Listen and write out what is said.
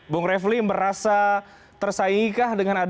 bung refli merasa tersaingkah dengan adanya